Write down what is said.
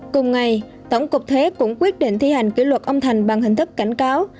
cùng ngày tổng cục thuế cũng quyết định thi hành kỷ luật ông thành bằng hình thức cảnh cáo